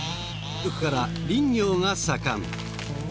古くから林業が盛ん。